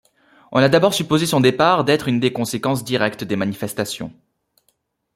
On a d'abord supposé son départ d'être une des conséquences directes des manifestations.